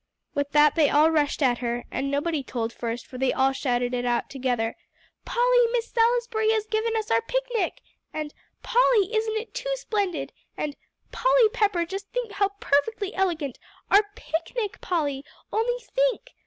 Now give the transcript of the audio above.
With that they all rushed at her, and nobody told first, for they all shouted it out together: "Polly, Miss Salisbury has given us our picnic!" and "Polly, isn't it too splendid!" and "Polly Pepper, just think how perfectly elegant! Our picnic, Polly only think!"